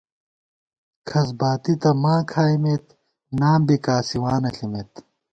کھسباتی تہ ماں کھائیمېت نام بی کاسِوانہ ݪِمېت